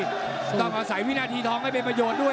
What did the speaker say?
ต้องอาศัยวินาทีทองให้เป็นประโยชน์ด้วย